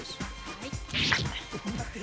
はい。